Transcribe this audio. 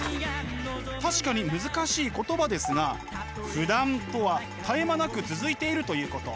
確かに難しい言葉ですが不断とは絶え間なく続いているということ。